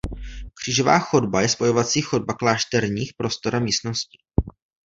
Křížová chodba je spojovací chodba klášterních prostor a místností.